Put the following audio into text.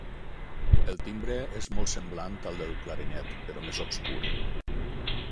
El timbre és molt semblant al del clarinet, però més obscur.